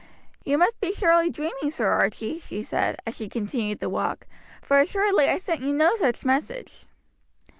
"You must be surely dreaming, Sir Archie," she said, as she continued the walk, "for assuredly I sent you no such message."